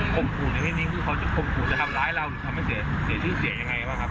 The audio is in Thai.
ขู่ในเรื่องนี้คือเขาจะข่มขู่จะทำร้ายเราหรือทำให้เสียชื่อเสียงยังไงบ้างครับ